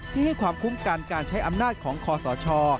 ที่ให้ความคุ้มกันการใช้อำนาจของคอสช